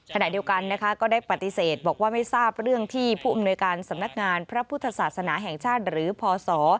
ขณะเดียวกันนะคะก็ได้ปฏิเสธบอกว่าไม่ทราบเรื่องที่ผู้อำนวยการสำนักงานพระพุทธศาสนาแห่งชาติหรือพศ